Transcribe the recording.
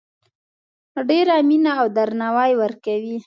ډیره مینه او درناوی ورکوي